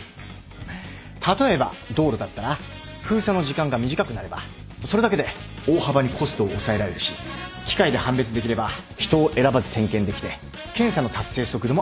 例えば道路だったら封鎖の時間が短くなればそれだけで大幅にコストを抑えられるし機械で判別できれば人を選ばず点検できて検査の達成速度も上げられる。